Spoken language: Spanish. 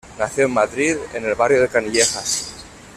Nació en Madrid, en el barrio de Canillejas.